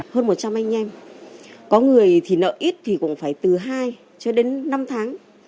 hơn một trăm linh anh em có người thì nợ ít thì cũng phải từ hai cho đến năm tháng